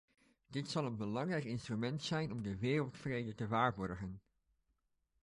Dit zal een belangrijk instrument zijn om de wereldvrede te waarborgen.